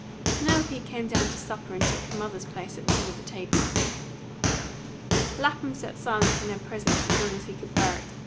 Penelope came down to supper and took her mother's place at the head of the table. Lapham sat silent in her presence as long as he could bear it.